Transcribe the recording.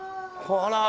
あら。